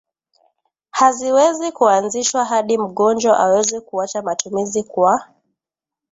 Haziwezi kuanzishwa hadi mgonjwa aweze kuacha matumizi kwa